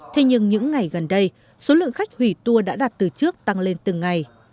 thế nhưng những ngày gần đây số lượng khách hủy tour đã đạt từ trước tăng lên từng ngày